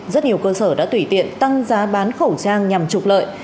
rất nhiều cơ sở đã tùy tiện tăng giá bán khẩu trang nhằm trục lợi